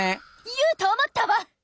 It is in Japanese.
言うと思ったわ！